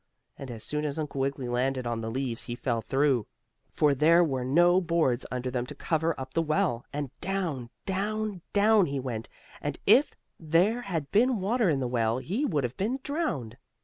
And as soon as Uncle Wiggily landed on the leaves he fell through, for there were no boards under them to cover up the well, and down, down, down he went, and if there had been water in the well he would have been drowned.